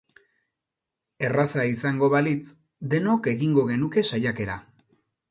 Erraza izango balitz, denok egingo genuke saiakera